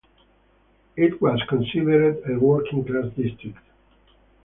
It was considered a working class district.